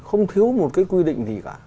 không thiếu một cái quy định gì cả